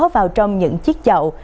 vào trong những chiếc chậu